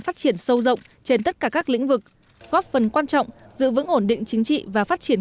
phát triển sâu rộng trên tất cả các lĩnh vực góp phần quan trọng giữ vững ổn định chính trị và phát triển